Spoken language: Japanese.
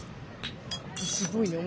すごいね。